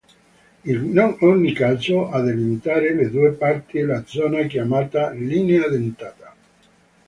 In ogni caso a delimitare le due parti è la zona chiamata linea dentata.